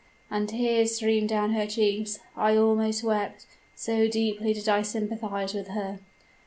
And tears streamed down her cheeks. I also wept, so deeply did I sympathize with her.